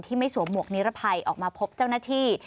ไม่สวมหวกนิรภัยออกมาพบเจ้าหน้าที่